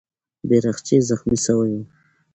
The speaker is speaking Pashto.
بیرغچی زخمي سوی وو.